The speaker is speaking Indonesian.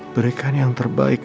berikan yang terbaik